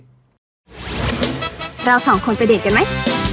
เราสองคนไปเดทกันไหม